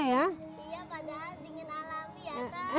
iya padahal dingin alami ya